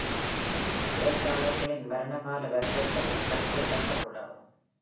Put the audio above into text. எழுத்தாளர்களின் மரண காலவரிசைப்படி பட்டியலிடப்பட்டுள்ளது.